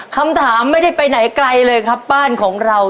คำถามไม่ได้ไปไหนไกลเลยครับบ้านของเรา